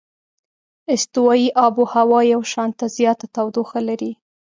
استوایي آب هوا یو شانته زیاته تودوخه لري.